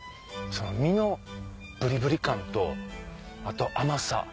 実のブリブリ感とあと甘さ。